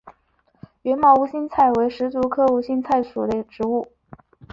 缘毛无心菜为石竹科无心菜属的植物。